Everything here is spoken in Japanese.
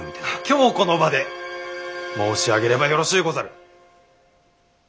今日この場で申し上げればよろしゅうござる。